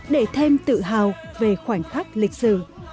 để thêm tự hào về khoảnh khắc lịch sử